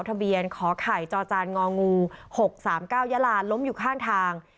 ทะเบียนขอไข่จอจานง๖๓๙ยาลาล้มอยู่ข้างทาง